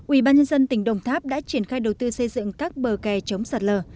ubnd tỉnh đồng tháp đã triển khai đầu tư xây dựng các bờ kè chống sạt lở